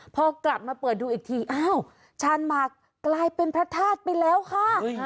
พอกลับมาเปิดดูอีกทีอ้าวชาญหมากกลายเป็นพระธาตุไปแล้วค่ะ